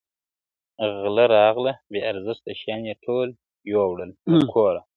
غله راغله بې ارزښته شيان يې ټول يو وړل له كوره.